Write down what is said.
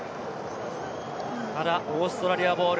ただオーストラリアボール。